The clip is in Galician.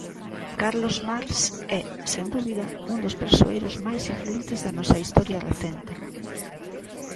Carlos Marx é, sen dúbida, un dos persoeiros máis influíntes da nosa historia recente.